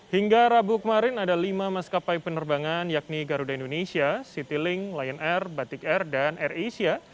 hingga rabu kemarin ada lima maskapai penerbangan yakni garuda indonesia citylink lion air batik air dan air asia